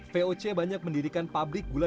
voc banyak mendirikan pabrik gula